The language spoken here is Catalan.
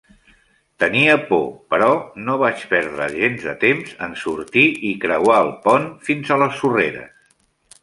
Tenia por, però no vaig perdre gens de temps en sortir i creuar el pont fins a les sorreres.